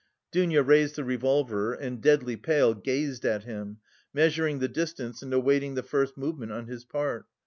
Dounia raised the revolver, and deadly pale, gazed at him, measuring the distance and awaiting the first movement on his part.